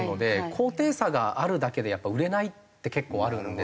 高低差があるだけで売れないって結構あるんですね。